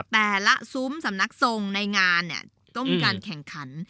แต่ละซุ้มสำนักทรงในงานก็มีการแข่งขัน